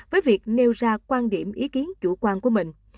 với việc nêu ra quan điểm ý kiến chủ quan của mình